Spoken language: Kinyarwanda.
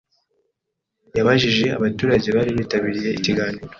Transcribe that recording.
yabajije abaturage bari bitabiriye ikiganiro